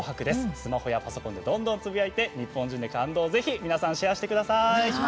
スマートフォンやパソコンでどんどんつぶやいて日本中で感動をぜひ皆さん、シェアしてください。